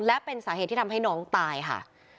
และเป็นสาเหตุที่ทำให้น้องตายค่ะ